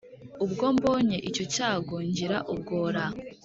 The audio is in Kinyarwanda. Ubwo mbonye icyo cyago ngira ubwora